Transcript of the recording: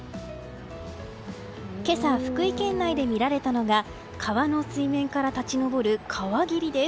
今朝、福井県内で見られたのが川の水面から立ち上る川霧です。